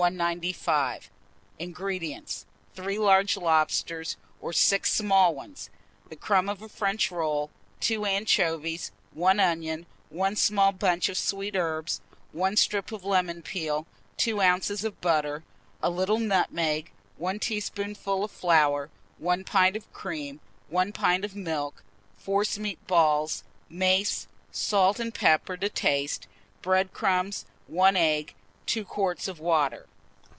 INGREDIENTS. 3 large lobsters, or 6 small ones; the crumb of a French roll, 2 anchovies, 1 onion, 1 small bunch of sweet herbs, 1 strip of lemon peel, 2 oz. of butter, a little nutmeg, 1 teaspoonful of flour, 1 pint of cream, 1 pint of milk; forcemeat balls, mace, salt and pepper to taste, bread crumbs, 1 egg, 2 quarts of water.